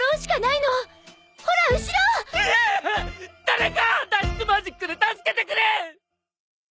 誰か脱出マジックで助けてくれ！